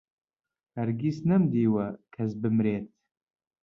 هەرگیز نەمدیوە کەس بمرێت